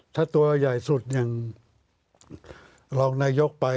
ถ้าตัวใหญ่สุดอย่างรองนายกไป